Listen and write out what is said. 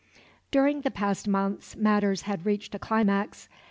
During the past months matters had reached a climax.